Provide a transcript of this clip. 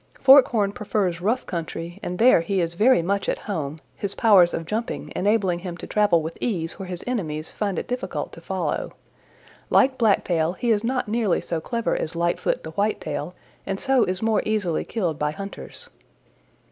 Forkhorn prefers rough country and there he is very much at home, his powers of jumping enabling him to travel with ease where his enemies find it difficult to follow. Like Blacktail he is not nearly so clever as Lightfoot the White tail and so is more easily killed by hunters.